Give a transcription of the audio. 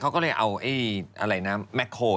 เขาก็เลยเอาอะไรนะแมคโฮล